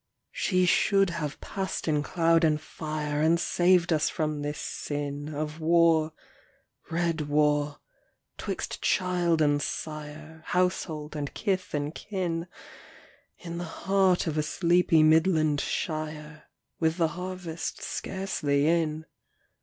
She should have passed in cloud and fire And saved us from this sin Of war — red Avar — 'twixt child and sire, Household and kith and kin, In the heart of a sleepy Midland shire, With the harvest scarcely in.